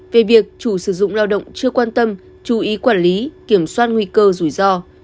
về việc chủ sử dụng lao động chưa quan tâm chú ý quản lý kiểm soát nguy cơ rủi ro